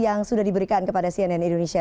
yang sudah diberikan kepada cnn indonesia